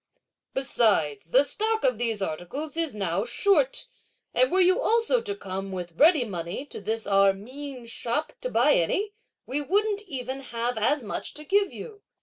Besides, the stock of these articles is now short, and were you also to come, with ready money to this our mean shop to buy any, we wouldn't even have as much to give you.